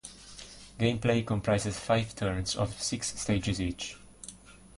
Gameplay comprises five turns of six stages each.